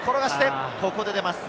ここで出ます。